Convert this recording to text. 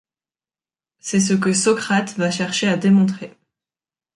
C'est ce que Socrate va chercher à démontrer.